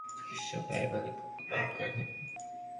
যাঁরা আহত হন, তাঁদের প্রায় সবার চিকিৎসা ব্যয় মালিকপক্ষ বহন করে থাকে।